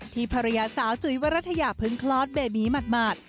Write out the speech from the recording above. ที่ภรรยาสาวจุ๋ยวรัฐยะพึ้งพลอดเบบีหมัด